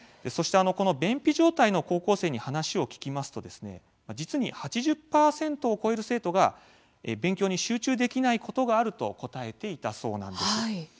そして、この便秘状態の高校生に話を聞きますと実に８０％を超える生徒が勉強に集中できないことがあると答えたそうです。